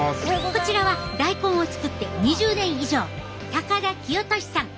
こちらは大根を作って２０年以上高田清俊さん。